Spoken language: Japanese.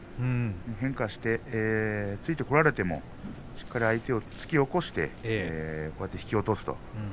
変化をして、ついてこられてもしっかり相手を突き起こして引き落とす。